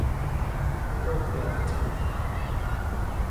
They both laugh it off.